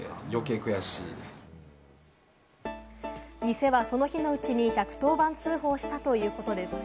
店は、その日のうちに１１０番通報したということです。